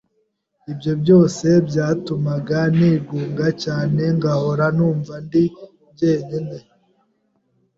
ibyo byose byatumaga nigunga cyane ngahora numva ndi njyenyine